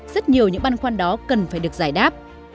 rất nhiều những băn khoăn đó cần phải được giải đáp